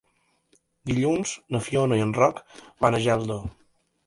Dilluns na Fiona i en Roc van a Geldo.